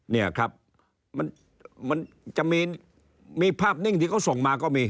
เนี่ยครับมันจะมีภาพนิ่งที่เขาส่งมาก็มี